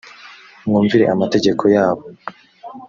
mwumvire amategeko yabo.